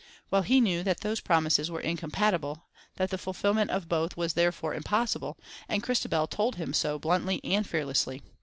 Well he knew that those promises were incompatible, that the fulfilment of both was therefore impossible, and Christabel told him so bluntly and fearlessly.